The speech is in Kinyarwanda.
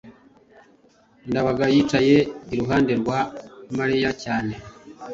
ndabaga yicaye iruhande rwa mariya cyane